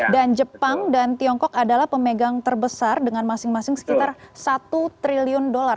dan jepang dan tiongkok adalah pemegang terbesar dengan masing masing sekitar satu triliun dolar